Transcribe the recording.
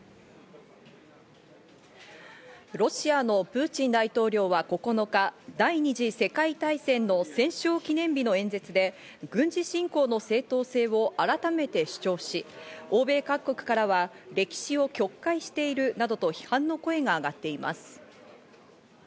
ロシアのプーチン大統領は９日、第二次世界大戦の戦勝記念日の演説で軍事侵攻の正当性を改めて主張し、欧米各国からは歴史を曲解しているなどと批判の声が上がっています。